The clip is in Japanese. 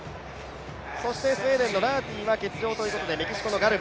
スウェーデンのラーティは欠場ということで、メキシコの選手。